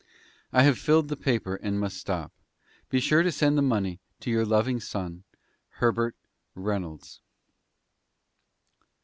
"I have filled the paper, and must stop. Be sure to send the money to your loving son, "HERBERT REYNOLDS."